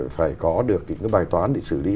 phải có được cái bài toán để xử lý